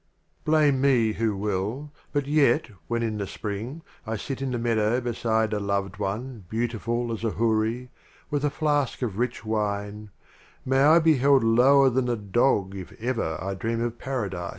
XII A. Blame me who will, but yet, when in the Spring, I sit in the Meadow beside a Loved One beautiful as a Houri, With a flask of Rich Wine, May I be held lower than a Dog if ever I dream of Paradise